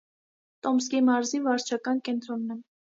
Տոմսկի մարզի վարչական կենտրոնն է։